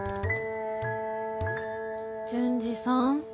順次さん。